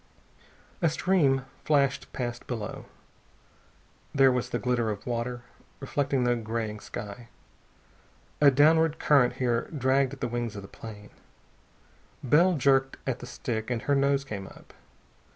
A stream flashed past below. There was the glitter of water, reflecting the graying sky. A downward current here dragged at the wings of the plane. Bell jerked at the stick and her nose came up.